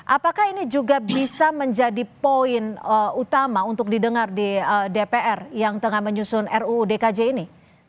apakah ini juga bisa menjadi poin utama untuk didengar di dpr yang tengah menyusun ruu dkj ini